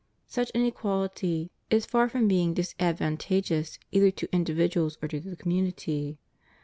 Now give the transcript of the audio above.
Such inequality is far from being disadvantageous either to individuals or to the community.